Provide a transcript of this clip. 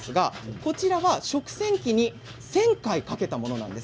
こちらは食洗機に１０００回かけたものです。